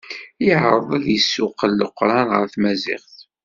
Yeɛreḍ ad d-yessuqel leqran ɣer tmaziɣt.